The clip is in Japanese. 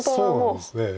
そうなんです。